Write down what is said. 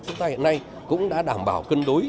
chúng ta hiện nay cũng đã đảm bảo cân đối